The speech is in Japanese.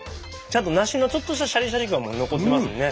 ちゃんと梨のちょっとしたシャリシャリ感も残ってますね。